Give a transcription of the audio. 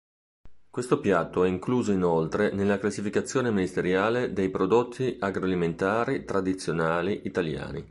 Questo piatto è incluso inoltre nella classificazione ministeriale dei Prodotti agroalimentari tradizionali italiani.